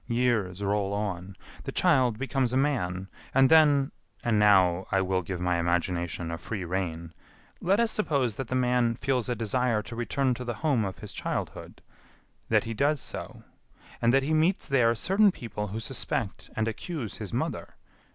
Years roll on. The child becomes a man; and then and now I will give my imagination a free rein let us suppose that the man feels a desire to return to the home of his childhood, that he does so, and that he meets there certain people who suspect and accuse his mother....